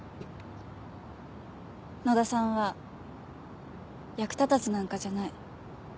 野田さんは役立たずなんかじゃない。